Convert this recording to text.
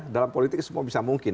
dalam politik semua bisa mungkin